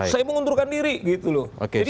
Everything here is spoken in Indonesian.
saya mau ngundurkan diri gitu loh